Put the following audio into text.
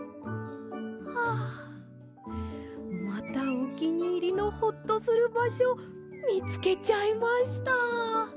はあまたおきにいりのホッとするばしょみつけちゃいました！